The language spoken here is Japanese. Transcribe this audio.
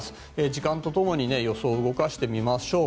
時間とともに予想を動かしてみましょう。